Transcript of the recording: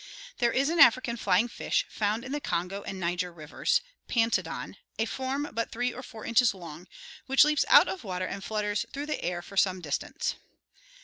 There is an African flying fish found in the Kongo and Niger rivers — Paniodon, a form but three or four inches long — which leaps out of water and flutters through the air for some distance.